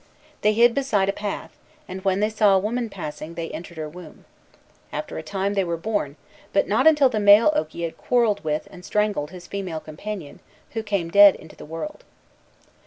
They hid beside a path, and, when they saw a woman passing, they entered her womb. After a time they were born, but not until the male oki had quarrelled with and strangled his female companion, who came dead into the world.